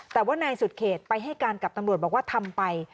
แต่ว่านายสุดเขตไปให้การกับตำรวจบอกว่าทำไป